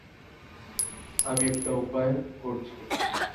আমি একটা উপায় করছি।